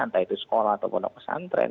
entah itu sekolah atau pondok pesantren